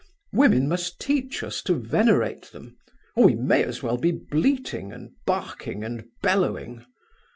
Women must teach us to venerate them, or we may as well be bleating and barking and bellowing.